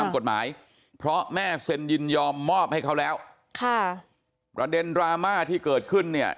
กฎหมายเพราะแม่เซ็นยินยอมมอบให้เขาแล้วค่ะประเด็นดราม่าที่เกิดขึ้นเนี่ย